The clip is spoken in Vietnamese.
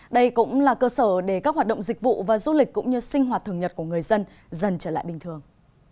đây cũng là cơ sở để các hoạt động dịch vụ và du lịch cũng như sinh hoạt thường nhật của người dân dần trở lại bình thường